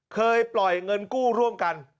เคยปล่อยเงินกู้ร่วมกัน